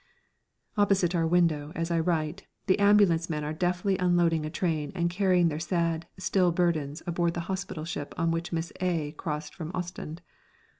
Opposite our window, as I write, the ambulance men are deftly unloading a train and carrying their sad, still burdens aboard the hospital ship on which Miss A crossed from Ostend.